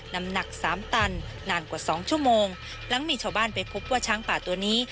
น้ำหนักสามตันนานกว่าสองชั่วโมงหลังมีชาวบ้านไปพบว่าช้างป่าตัวนี้